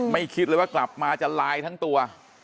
คิดเลยว่ากลับมาจะลายทั้งตัว